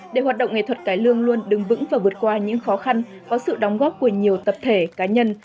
để hoạt động nghệ thuật cải lương luôn đứng vững và vượt qua những khó khăn có sự đóng góp của nhiều tập thể cá nhân